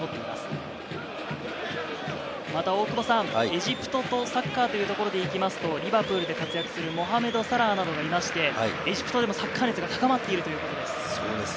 またエジプトとサッカーというところでいきますと、リバプールで活躍するモハメド・サラーなどがいまして、エジプトでもサッカー熱が高まっているということです。